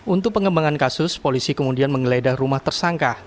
untuk pengembangan kasus polisi kemudian menggeledah rumah tersangka